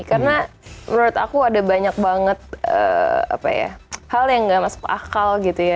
karena menurut aku ada banyak banget apa ya hal yang gak masuk akal gitu ya